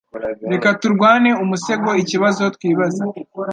Reka turwane umusego ikibazo twibaza